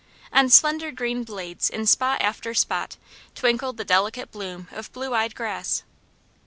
On slender green blades, in spot after spot, twinkled the delicate bloom of blue eyed grass.